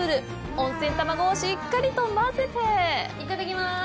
温泉卵をしっかりと混ぜていただきまーす！